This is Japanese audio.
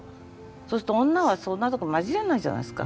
そうすると女はそんなとこ交じれないじゃないですか。